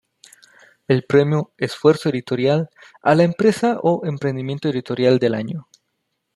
El premio Esfuerzo Editorial a la empresa o emprendimiento editorial del año.